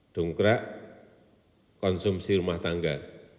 dungkrak konsumsi rumah tangga